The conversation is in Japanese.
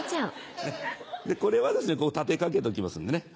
これはですねこう立て掛けておきますんでね。